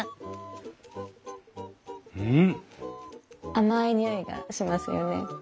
甘い匂いがしますよね。